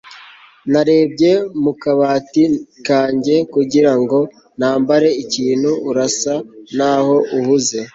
narebye mu kabati kanjye kugira ngo nambare ikintu urasa naho uhuze